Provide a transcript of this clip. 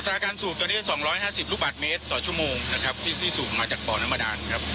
ราการสูบตอนนี้๒๕๐ลูกบาทเมตรต่อชั่วโมงนะครับที่สูบมาจากบ่อน้ำบาดานครับ